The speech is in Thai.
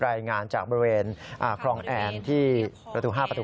รายงานจากบริเวณคลองแอนที่ประตู๕ประตู